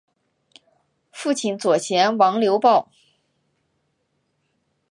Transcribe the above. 父亲左贤王刘豹。